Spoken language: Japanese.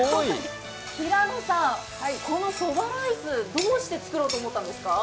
平野さん、このそばライス、どうして作ろうと思ったんですか？